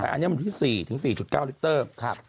อันนี้มันที่๔ถึง๔๙ลิเตอร์